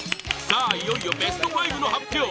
さあ、いよいよベスト５の発表